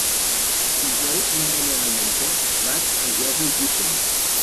Dijous na Ramona i en Pep vaig a Josa i Tuixén.